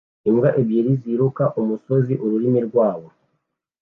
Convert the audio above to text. Imbwa ebyiri ziruka umusozi ururimi rwabo